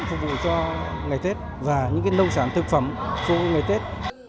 phục vụ cho ngày tết và những nông sản thực phẩm cho ngày tết